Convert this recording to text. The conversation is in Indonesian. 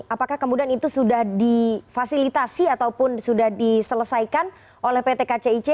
apakah kemudian itu sudah difasilitasi ataupun sudah diselesaikan oleh pt kcic